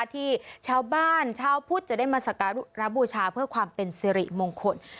ที่ชาวบ้านชาวพุทธจะได้มาสการรับบูชาเพื่อความเป็นสิริมงคล